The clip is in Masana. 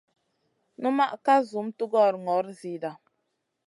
Unma ka zum tugora gnor zida.